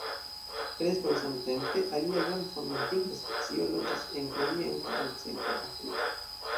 Preskaŭ samtempe, alia jam formortinta specio loĝis en orienta al centra Afriko.